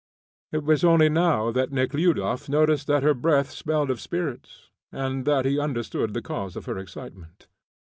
It was only now that Nekhludoff noticed that her breath smelled of spirits, and that he understood the cause of her excitement.